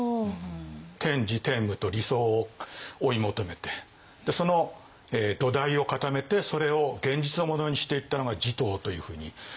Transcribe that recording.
天智天武と理想を追い求めてその土台を固めてそれを現実のものにしていったのが持統というふうに。